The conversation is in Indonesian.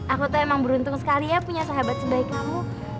aku tuh emang beruntung sekali ya punya sahabat sebaik kamu